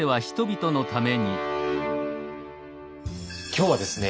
今日はですね